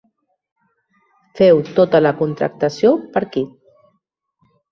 Feu tota la contractació per aquí.